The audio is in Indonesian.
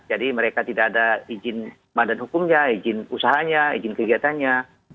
jadi mereka tidak ada izin mandat hukumnya izin usahanya izin kegiatannya